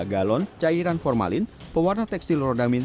tiga galon cairan formalin pewarna tekstil rodamin